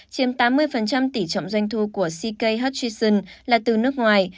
chiếm tám mươi tỷ trọng doanh thu của ck hatchition là từ nước ngoài